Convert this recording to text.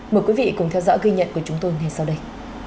mời quý vị cùng theo dõi ghi nhận của chúng tôi ngay sau đây